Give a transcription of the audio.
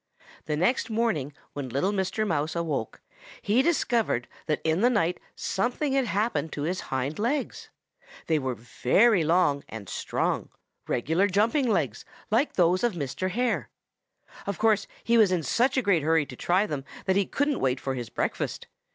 "The next morning when little Mr. Mouse awoke, he discovered that in the night something had happened to his hind legs. They were very long and strong, regular jumping legs like those of Mr. Hare. Of course he was in such a great hurry to try them that he couldn't wait for his breakfast.